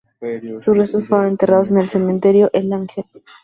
Sus restos fueron enterrados en el cementerio El Ángel.